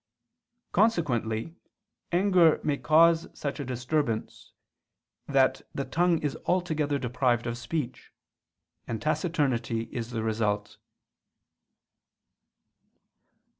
Consequently anger may cause such a disturbance, that the tongue is altogether deprived of speech; and taciturnity is the result.